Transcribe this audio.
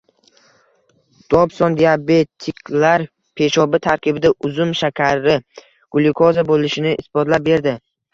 Dobson diabetiklar peshobi tarkibida uzum shakari — glyukoza bo‘lishini isbotlab berdi